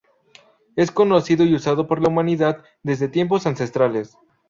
Es conocido y usado por la humanidad desde tiempos ancestrales.